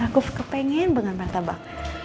aku kepengen makan martabak